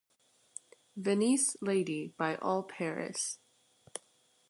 Venise Lady by All-Paris.